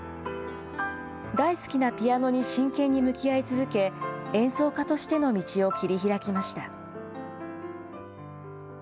大好きなピアノに真剣に向き合い続け、演奏家としての道を切り開きました。